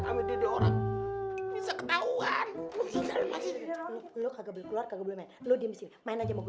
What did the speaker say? orang orang bisa ketahuan lu kagak boleh keluar kagak boleh main lu di sini main aja mau gue